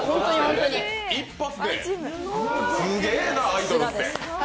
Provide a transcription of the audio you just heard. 一発で、すげえな、アイドルって。